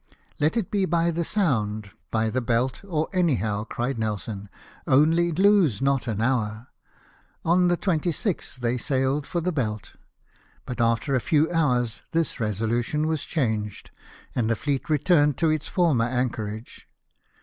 " Let it be by the Sound, by the Belt, or anyhow," cried Nelson, " only lose not an hour !" On the 26th they sailed for the Belt ; but, after a few hours, this resolution was changed, and the fleet returned to its former anchorage.